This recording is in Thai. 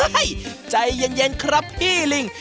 เฮ้ยใจยังครับพี่ลิง